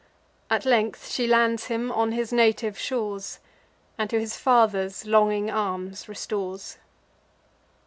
At length she lands him on his native shores, And to his father's longing arms restores.